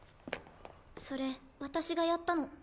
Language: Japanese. それ私がやったの。